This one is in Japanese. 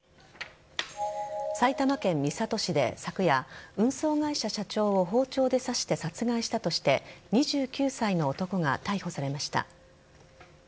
埼玉県三郷市で昨夜運送会社・社長を包丁で刺して殺害したとして２９歳の男が逮捕されました。